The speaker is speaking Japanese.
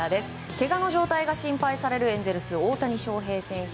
けがの状態が心配されるエンゼルス、大谷翔平選手。